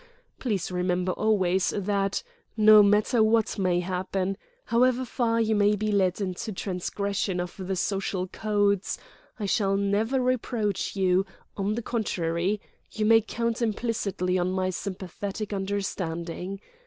Please remember always that, no matter what may happen, however far you may be led into transgression of the social codes, I shall never reproach you, on the contrary, you may count implicitly on my sympathetic understanding.